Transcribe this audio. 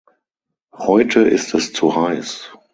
Heute ist es zu heiß.